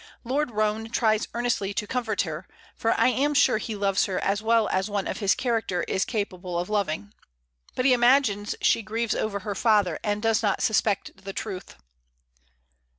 Lord Roane tries earnestly to comfort her, for I am sure he loves her as well as one of his character is capable of loving. But he imagines she grieves over her father, and does not suspect the truth."